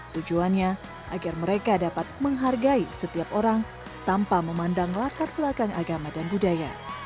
tujuannya agar mereka dapat menghargai setiap orang tanpa memandang latar belakang agama dan budaya